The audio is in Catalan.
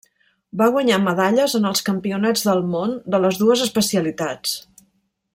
Va guanyar medalles en els campionats del món de les dues especialitats.